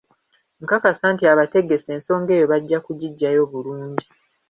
Nkakasa nti abategesi ensonga eyo bajja kugiggyayo bulungi